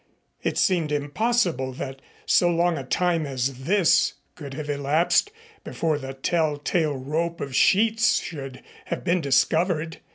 It seemed impossible that so long a time as this could have elapsed before the tell tale rope of sheets should have been discovered.